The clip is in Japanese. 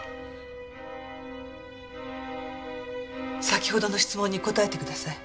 先ほどの質問に答えてください。